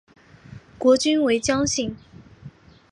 国君为姜姓。